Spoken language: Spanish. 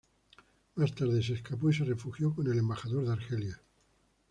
Más tarde se escapó y se refugió con el embajador de Argelia.